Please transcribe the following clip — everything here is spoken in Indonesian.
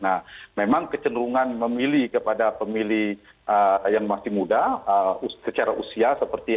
nah memang kecenderungan memilih kepada pemilih yang masih muda secara usia seperti